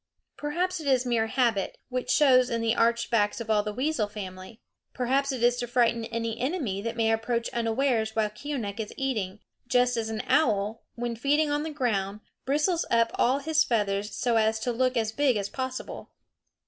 Perhaps it is mere habit, which shows in the arched backs of all the weasel family. Perhaps it is to frighten any enemy that may approach unawares while Keeonekh is eating, just as an owl, when feeding on the ground, bristles up all his feathers so as to look as big as possible.